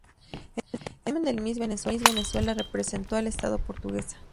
En el certamen del Miss Venezuela representó al estado Portuguesa.